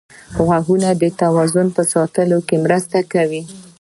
غوږونه د توازن په ساتلو کې مرسته کوي